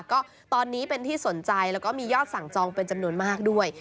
ก็ตอนนี้เป็นที่สนใจแล้วก็มียอดสั่งจองเป็นจำนวนมากด้วย